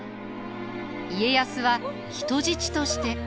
家康は人質として。